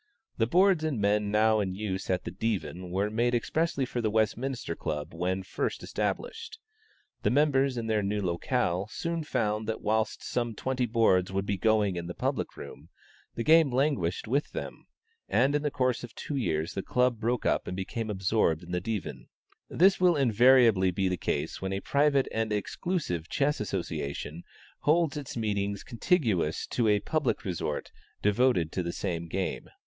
The boards and men now in use at the Divan were made expressly for the Westminster Club when first established. The members in their new locale soon found that whilst some twenty boards would be going in the public room, the game languished with them; and in the course of two years the club broke up and became absorbed in the Divan. This will invariably be the case when a private and exclusive chess association holds its meetings contiguous to a public resort devoted to the same game.